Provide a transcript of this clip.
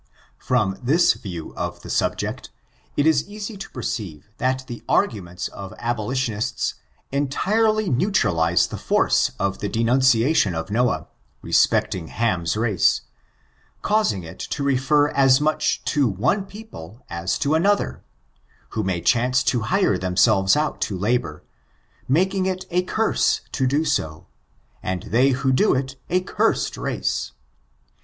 From thisYiGvr of the subject, it is easy to perceive that the arguments of abolitionists entirely neutralize the force of the denunciation of Noah, respecting Ham's race, causing it to refer as much to one people as to another J who may chance to Aire themselves out to labor, making it a curse to do so, and they who do it a cursed race.